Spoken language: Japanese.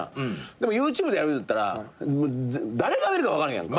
でもＹｏｕＴｕｂｅでやるっていったら誰が見るか分からんやんか。